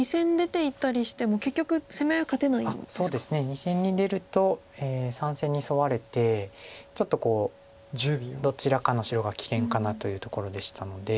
２線に出ると３線にソワれてちょっとどちらかの白が危険かなというところでしたので。